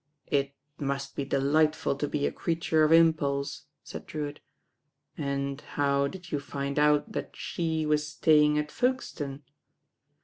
"It must be delightful to be a creature of im pulse," said Drewitt; "and how did you find out that she was staying at Folkestone?"